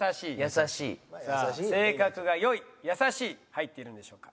さあ「性格が良い・優しい」入っているんでしょうか？